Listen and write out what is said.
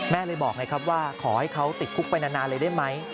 แม่เลยบอกไงครับว่าขอให้เขาติดคุกไปนานเลยได้ไหม